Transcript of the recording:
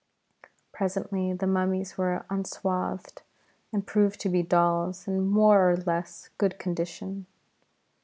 Presently the mummies were unswathed, and proved to be dolls in more or less good condition.